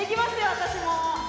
私も。